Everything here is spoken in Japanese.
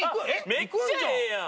めっちゃええやん！